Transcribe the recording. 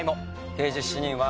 『刑事７人は』